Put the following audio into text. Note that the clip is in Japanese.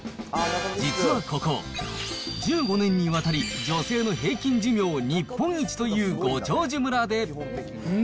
実はここ、１５年にわたり女性の平均寿命日本一というご長寿村で。